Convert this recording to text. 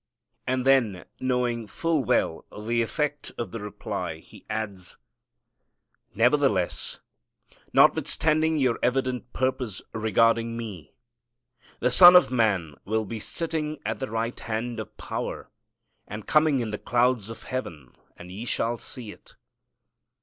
And then, knowing full well the effect of the reply, He adds, "Nevertheless notwithstanding your evident purpose regarding Me the Son of Man will be sitting at the right hand of Power, and coming in the clouds of heaven, and ye shall see it."